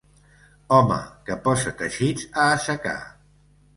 Home que posa teixits a assecar.